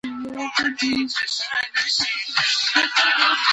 ګل د اوبو سره وده کوي.